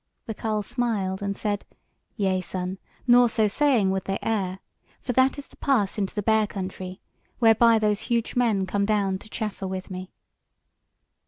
The carle smiled and said: "Yea, son; nor, so saying, would they err; for that is the pass into the Bear country, whereby those huge men come down to chaffer with me."